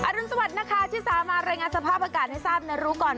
อรุณสวัสดิ์นะคะที่สามารถสภาพอากาศให้ทราบรู้ก่อน